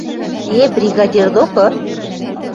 – Э-э, бригадир докы?